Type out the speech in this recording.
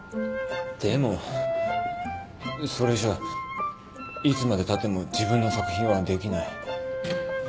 でもそれじゃいつまでたっても自分の作品はできない。